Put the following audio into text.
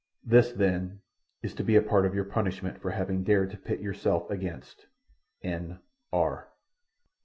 "This, then, is to be a part of your punishment for having dared to pit yourself against N. R.